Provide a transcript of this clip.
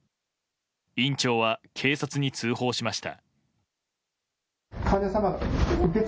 院長は警察に通報しました。